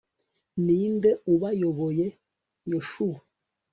ninde ubayoboye yoshuwa